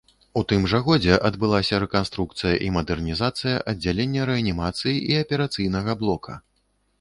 У тым жа годзе адбылася рэканструкцыя і мадэрнізацыя аддзялення рэанімацыі і аперацыйнага блока.